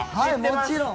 もちろん。